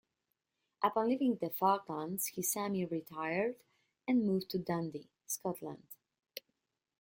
Upon leaving the Falklands, he semi-retired and moved to Dundee, Scotland.